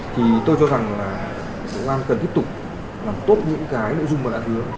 thì tôi cho rằng là bộ an cần tiếp tục làm tốt những cái nội dung mà đã hứa